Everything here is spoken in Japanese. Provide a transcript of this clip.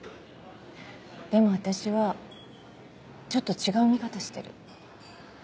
でも私はちょっと違う見方してる。